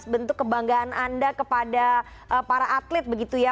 bentuk kebanggaan anda kepada para atlet begitu ya